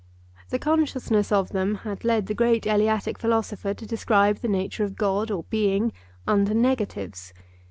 The consciousness of them had led the great Eleatic philosopher to describe the nature of God or Being under negatives.